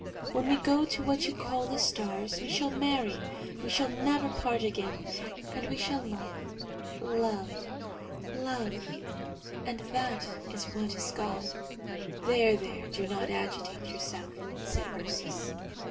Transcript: When we go to what you call the stars, we shall marry, we shall never part again, and we shall love, love, love; and that is what is God." "There, there, do not agitate yourself," said Ursus.